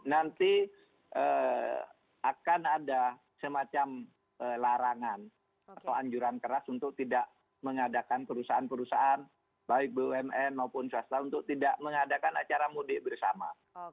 nanti akan ada semacam larangan atau anjuran keras untuk tidak mengadakan perusahaan perusahaan baik bumn maupun swasta untuk tidak mengadakan acara mudik bersama